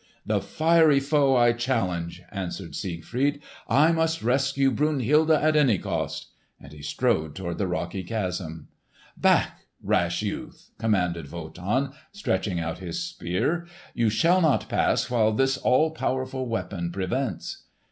"The fiery foe I challenge!" answered Siegfried. "I must rescue Brunhilde at any cost." And he strode toward the rocky chasm. "Back, rash youth!" commanded Wotan, stretching out his Spear. "You shall not pass while this all powerful weapon prevents!"